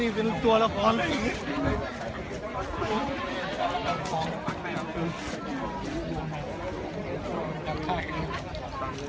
มีผู้ที่ได้รับบาดเจ็บและถูกนำตัวส่งโรงพยาบาลเป็นผู้หญิงวัยกลางคน